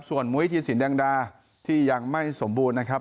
ส่วนมุ้ยธีสินแดงดาที่ยังไม่สมบูรณ์นะครับ